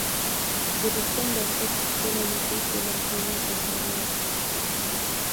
د روغتون ډاکټر په خپلو نفیسو لاسو ما ته اشاره وکړه.